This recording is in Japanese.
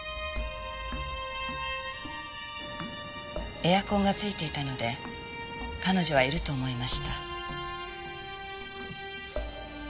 エアコンがついていたので彼女はいると思いました。